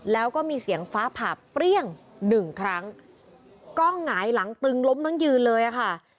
แล้วก็มีเสียงฟ้าผ่าเปรี้ยงหนึ่งครั้งก็หงายหลังตึงล้มทั้งยืนเลยอ่ะค่ะ